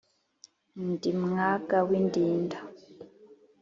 ndi mwaga w'indinda.